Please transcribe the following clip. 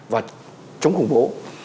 và chống khủng bố